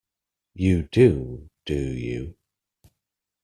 You do, do you?